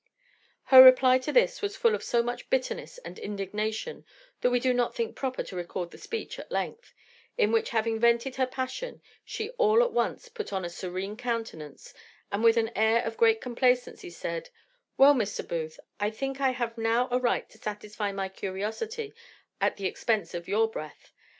Her reply to this was full of so much bitterness and indignation, that we do not think proper to record the speech at length, in which having vented her passion, she all at once put on a serene countenance, and with an air of great complacency said, "Well, Mr. Booth, I think I have now a right to satisfy my curiosity at the expense of your breath.